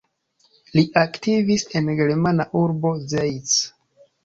Li aktivis en germana urbo Zeitz.